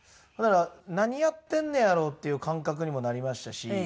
だから何やってんねやろっていう感覚にもなりましたし。